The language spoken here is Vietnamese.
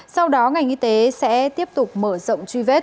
sau đó ngành y tế sẽ tiếp tục mở rộng truy vết